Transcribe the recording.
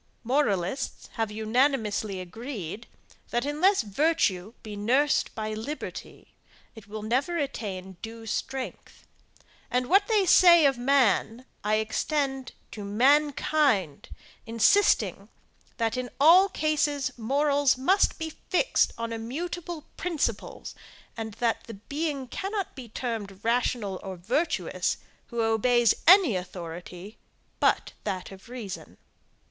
Moralists have unanimously agreed, that unless virtue be nursed by liberty, it will never attain due strength and what they say of man I extend to mankind, insisting, that in all cases morals must be fixed on immutable principles; and that the being cannot be termed rational or virtuous, who obeys any authority but that of reason.